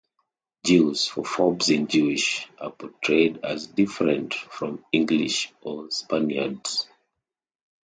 Jews, for Forbes is Jewish, are portrayed as different from English or Spaniards.